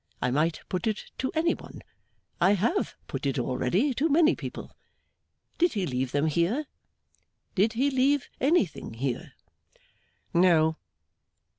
I might put it to any one; I have put it already to many people. Did he leave them here? Did he leave anything here?' 'No.